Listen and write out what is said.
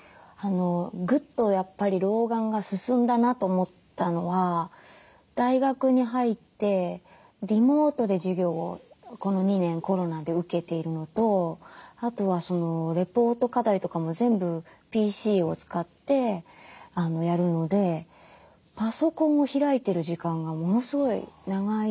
ぐっとやっぱり老眼が進んだなと思ったのは大学に入ってリモートで授業をこの２年コロナで受けているのとあとはレポート課題とかも全部ＰＣを使ってやるのでパソコンを開いてる時間がものすごい長いんです。